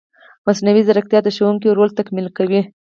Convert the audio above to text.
مصنوعي ځیرکتیا د ښوونکي رول تکمیلي کوي.